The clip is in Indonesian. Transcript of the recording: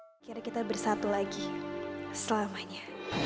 kira kira kita bersatu lagi selamanya